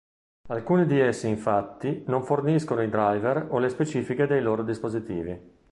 Alcuni di essi infatti non forniscono i driver o le specifiche dei loro dispositivi.